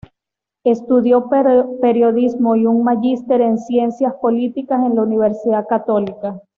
Estudió Periodismo y un Magíster en Ciencias Políticas en la Universidad Católica.